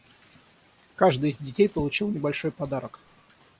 Каждый из детей получил небольшой подарок.